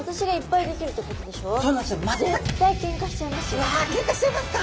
絶対うわけんかしちゃいますか。